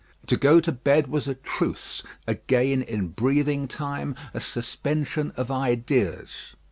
To go to bed was a truce, a gain in breathing time, a suspension of ideas.